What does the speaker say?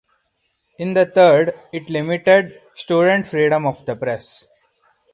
In the third it limited student freedom of the press.